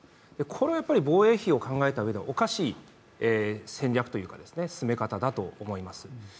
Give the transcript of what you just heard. これはやっぱり防衛費を考えたときにおかしい戦略というか進め方だと思います。